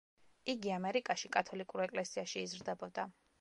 იგი ამერიკაში კათოლიკურ ეკლესიაში იზრდებოდა.